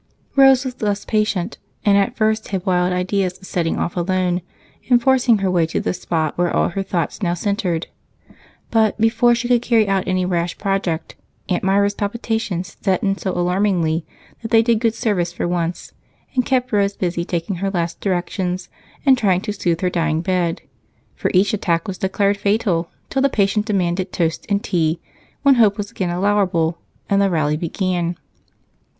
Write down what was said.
Rose was less patient, and at first had wild ideas of setting off alone and forcing her way to the spot where all her thoughts now centered. But before she could carry out any rash project, Aunt Myra's palpitations set in so alarmingly that they did good service for once and kept Rose busy taking her last directions and trying to soothe her dying bed, for each attack was declared fatal till the patient demanded toast and tea, when hope was again allowable and the rally began.